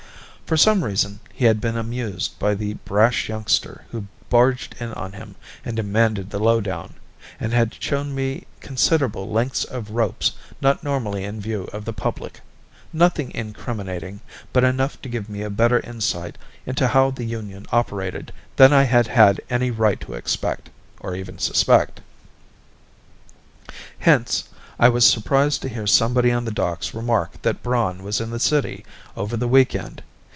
For some reason, he had been amused by the brash youngster who'd barged in on him and demanded the lowdown, and had shown me considerable lengths of ropes not normally in view of the public nothing incriminating, but enough to give me a better insight into how the union operated than I had had any right to expect or even suspect. Hence I was surprised to hear somebody on the docks remark that Braun was in the city over the week end.